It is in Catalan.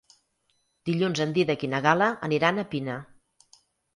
Dilluns en Dídac i na Gal·la aniran a Pina.